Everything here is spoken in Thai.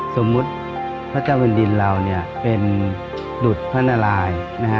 สมมุติพระเจ้าบรรดินเราเป็นดุทธนราย